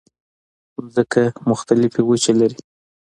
مځکه مختلفې وچې لري.